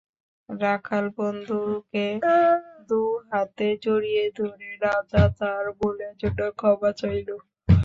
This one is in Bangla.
রাখাল বন্ধুকে দুহাতে জড়িয়ে ধরে রাজা তার ভুলের জন্য ক্ষমা চাইল।